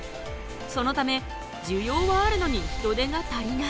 そのため需要はあるのに人手が足りない。